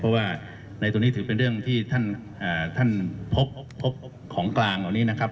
เพราะว่าในตรงนี้ถือเป็นเรื่องที่ท่านพบของกลางเหล่านี้นะครับ